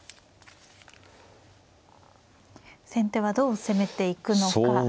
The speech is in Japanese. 先手はどう攻めていくのか。